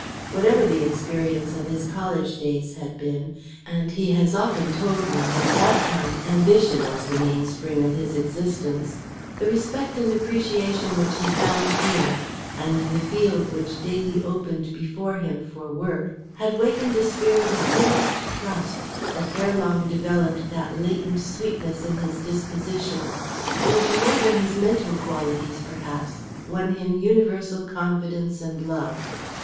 Whatever the experience of his college days had been and he has often told me that at that time ambition was the mainspring of his existence, the respect and appreciation which he found here, and the field which daily opened before him for work, had wakened a spirit of earnest trust that erelong developed that latent sweetness in his disposition which more than his mental qualities, perhaps, won him universal confidence and love.